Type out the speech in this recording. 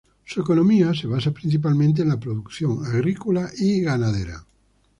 Su economía se basa principalmente en la producción agrícola y ganadera.